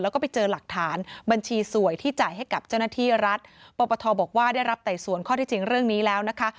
แล้วก็ไปเจอหลักฐานบัญชีสวยที่จ่ายให้กับเจ้าหน้าที่รัฐปปทบอกว่าได้รับไต่สวนข้อที่จริงเรื่องนี้แล้วนะคะ